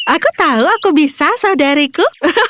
aku tahu aku bisa saudariku